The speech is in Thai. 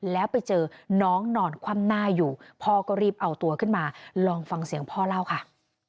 แล้วไปเจอน้องนอนคว่ำหน้าอยู่พ่อก็รีบเอาตัวขึ้นมาลองฟังเสียงพ่อเล่าค่ะ